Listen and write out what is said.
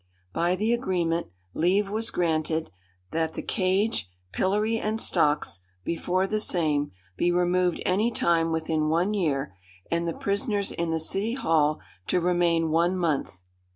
By the agreement, leave was granted "that the cage, pillory, and stocks, before the same, be removed any time within one year, and the prisoners in the city hall to remain one month."